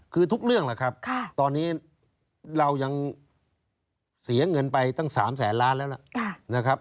คือทุกเรื่องแหละครับตอนนี้เรายังเสียเงินไปตั้ง๓แสนล้านแล้วล่ะนะครับ